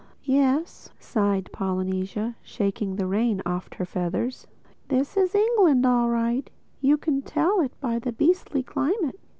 "Yes," sighed Polynesia, shaking the rain off her feathers, "this is England all right—You can tell it by the beastly climate."